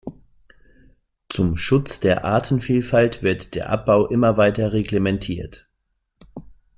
Zum Schutz der Artenvielfalt wird der Abbau immer weiter reglementiert.